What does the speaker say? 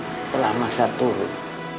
setelah masa turun